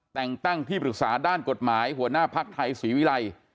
แต่งตั้งที่ปรึกษาด้านกฎหมายหัวหน้าภักดิ์ไทยศรีวิรัย